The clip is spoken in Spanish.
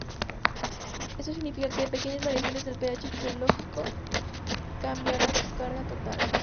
Esto significa que, pequeñas variaciones del pH fisiológico cambiarán su carga total.